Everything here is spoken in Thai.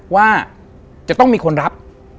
ว่าจะต้องมีคนรับ